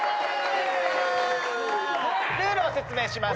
ルールを説明します。